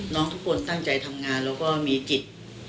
ทุกคนตั้งใจทำงานแล้วก็มีจิต